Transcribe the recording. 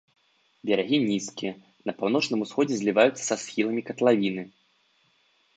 Берагі нізкія, на паўночным усходзе зліваюцца са схіламі катлавіны.